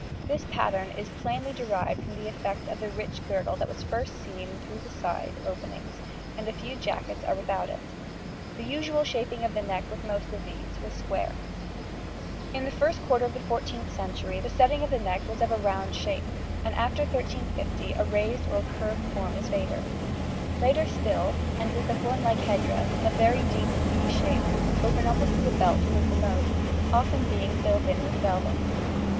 This pattern is plainly derived from the effect of the rich girdle that was at first seen through the side openings and few jackets are without it, the usual shaping of the neck with most of these was square. [Illustration: FIG. 12. Nos. 1 to 7, 14th century. Nos. 8 and 9, 15th century.] In the first quarter of the 14th century the setting of the neck was of a round shape, and after 1350 a raised or curved form is favoured. Later still, and with the hornlike head dress, a very deep =V= shape, open almost to the belt was the mode, often being filled in with velvet.